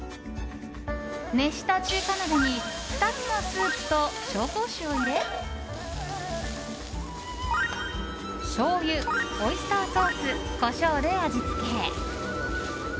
熱した中華鍋に２つのスープと紹興酒を入れしょうゆ、オイスターソースコショウで味付け。